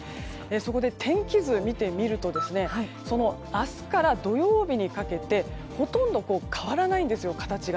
そこで、天気図を見てみると明日から土曜日にかけて形がほぼ変わらないんですよ。